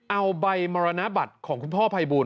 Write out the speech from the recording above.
เอาใบมรณบัตรของคุณพ่อภัยบูล